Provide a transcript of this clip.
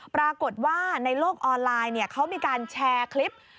ปรากฏว่าในโลกออนไลน์เขามีการแชร์คลิป